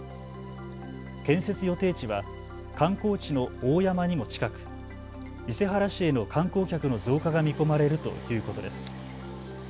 建設予定地は観光地の大山にも近く伊勢原市への観光客の増加が見込まれるということです。